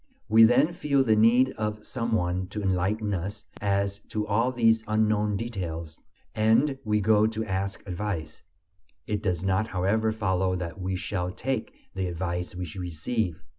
We then feel the need of some one to enlighten us as to all these unknown details, and we go to ask advice. It does not, however, follow that we shall take the advice we receive.